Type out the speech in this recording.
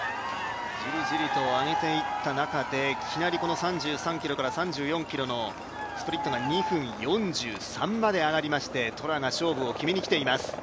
じりじりと上げていった中で、いきなり３３ｋｍから３４ｋｍ、２分４３まで上がりましてトラが勝負を決めに来ています。